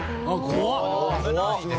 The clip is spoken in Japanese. ああ怖い！